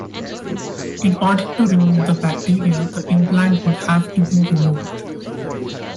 In order to remove the bacteria, the implant would have to be removed.